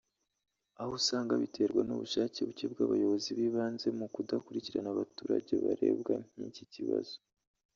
aho usanga biterwa n’ubushake buke bw’abayobozi b’ibanze mu kudakurikirana abaturage barebwa nk’iki kibazo